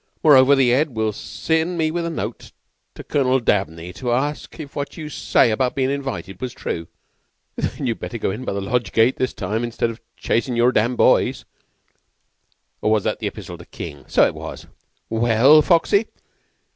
M'rover, the 'Ead will send me with a note to Colonel Dabney to ask if what you say about bein' invited was true." "Then you'd better go in by the Lodge gates this time, instead of chasin' your dam' boys oh, that was the Epistle to King so it was. We el, Foxy?"